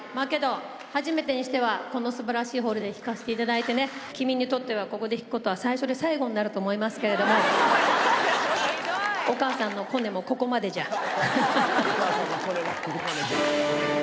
けど、初めにしてはこのすばらしいホールで弾かせていただいてね、君にとってはここで弾くことは最初で最後になると思いますけども、お母さんのコネもここまでじゃ。